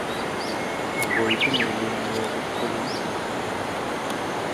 makoitu melit ngekut kokeny